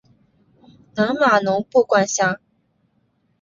南马农布管辖。